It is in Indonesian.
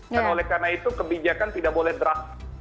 dan oleh karena itu kebijakan tidak boleh berhasil